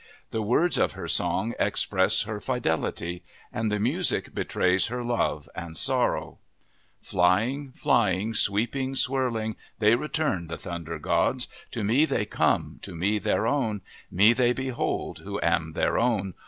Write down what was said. The words of her song express her fidelity, and the music betrays her love and sorrow :" Flying, flying, sweeping, swirling, They return, the Thunder gods. To me they come, to me their own, Me they behold, who am their own